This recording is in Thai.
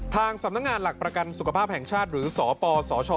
ทางสำนักงานหลักประกันสุขภาพแห่งชาติหรือสปสช